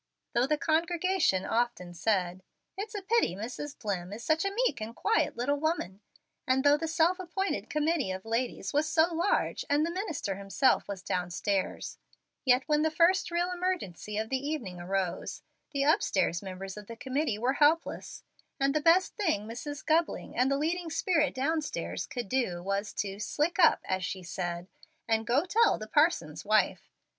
Though the congregation often said, "It's a pity Mrs. Dlimm is such a meek and quiet little woman," and though the self appointed committee of ladies was so large, and the minister himself was downstairs, yet when the first real emergency of the evening arose, the upstairs members of the committee were helpless, and the best thing Mrs. Gubling, the leading spirit downstairs, could do, was to "slick up," as she said, and "go tell the parson's wife."